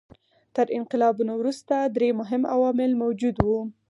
تر انقلابونو وروسته درې مهم عوامل موجود وو.